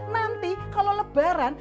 nanti kalau lebaran